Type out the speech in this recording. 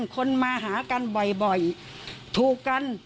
คนมาหากันบ่อยถูกกัน